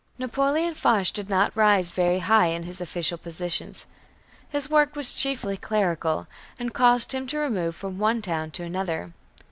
Napoleon Foch did not rise very high in his official positions. His work was chiefly clerical and caused him to remove from one town to another.